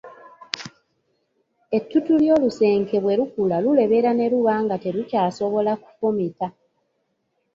Ettutu ly'olusenke bwe lukula lulebera ne luba nga terukyasobola kufumita.